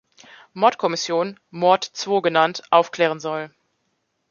Mordkommission, "Mord Zwo" genannt, aufklären soll.